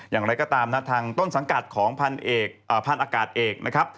อย่างไรก็ตามนะทางต้นสังกัดของพันธุ์อากาศเอกนะครับ